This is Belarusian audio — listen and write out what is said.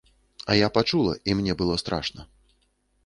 А я пачула, і мне было страшна.